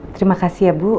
terima kasih ya bu